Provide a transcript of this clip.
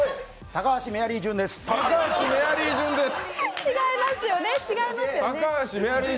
高橋メアリージュンです！